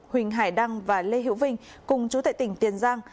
huỳnh hải đăng và lê hiếu vinh cùng chú thệ tỉnh tiên giang